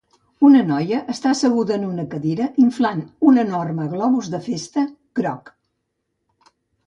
Una noia està asseguda en una cadira inflant un enorme globus de festa groc.